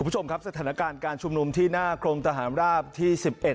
สถานการณ์การชุมนุมที่หน้าโครมตหารราบที่๑๑